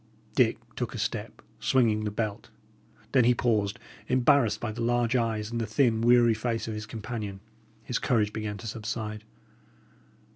Dick took a step, swinging the belt. Then he paused, embarrassed by the large eyes and the thin, weary face of his companion. His courage began to subside.